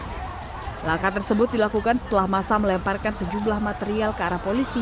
hai langkah tersebut dilakukan setelah masa melemparkan sejumlah material kearah polisi